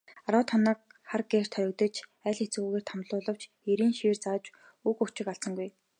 Арваад хоног хар гэрт хоригдож, аль хэцүүгээр тамлуулавч эрийн шийр зааж үг өчиг алдсангүй.